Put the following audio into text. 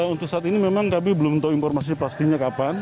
untuk saat ini memang kami belum tahu informasi pastinya kapan